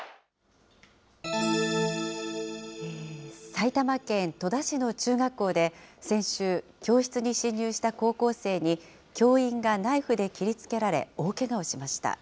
埼玉県戸田市の中学校で先週、教室に侵入した高校生に、教員がナイフで切りつけられ、大けがをしました。